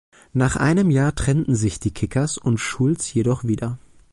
Nach einem Jahr trennten sich die Kickers und Schulz jedoch wieder.